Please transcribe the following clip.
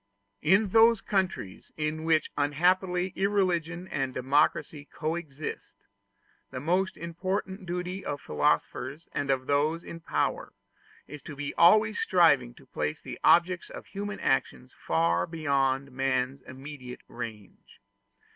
In those countries in which unhappily irreligion and democracy coexist, the most important duty of philosophers and of those in power is to be always striving to place the objects of human actions far beyond man's immediate range.